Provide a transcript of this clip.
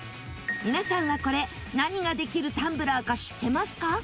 皆さんは、これ何ができるタンブラーか知ってますか？